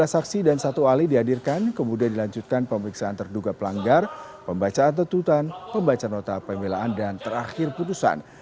tiga belas saksi dan satu ahli dihadirkan kemudian dilanjutkan pemeriksaan terduga pelanggar pembacaan tetutan pembacaan nota pembelaan dan terakhir putusan